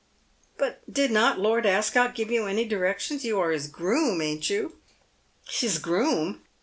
" But did not Lord Ascot give you any directions ? You are his groom, ain't you ?" "His groom!